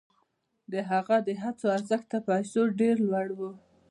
د هغه د هڅو ارزښت تر پیسو ډېر لوړ و.